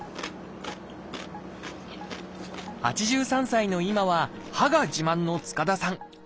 ８３歳の今は歯が自慢の塚田さん。